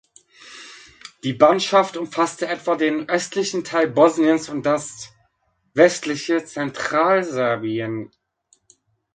Die Banschaft umfasste etwa den östlichen Teil Bosniens und das westliche Zentralserbien.